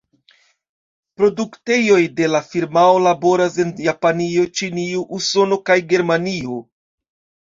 Produktejoj de la firmao laboras en Japanio, Ĉinio, Usono kaj Germanio.